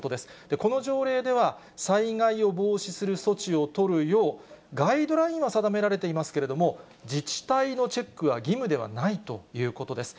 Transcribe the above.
この条例では、災害を防止する措置を取るようガイドラインは定められていますけれども、自治体のチェックは義務ではないということです。